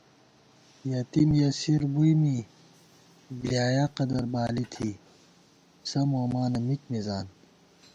یتیم یسیر بُوئی می بۡلیایا قدربالی تھی، سہ مومانہ مِک مِزان